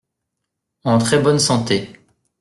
En très bonne santé.